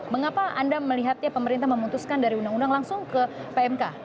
mengapa anda melihatnya pemerintah memutuskan dari undang undang langsung ke pmk